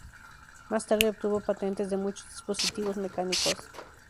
Más tarde obtuvo patentes de muchos dispositivos mecánicos.